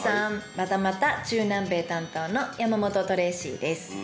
またまた中南米担当のヤマモトトレイシィです。